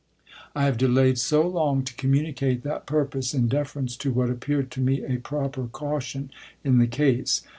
I have delayed so long to communicate that pur pose, in deference to what appeared to me a proper caution in the case.